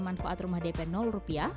manfaat rumah dp rupiah